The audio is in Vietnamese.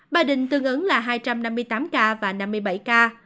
ba đình tương ứng là hai trăm năm mươi tám ca và năm mươi bảy ca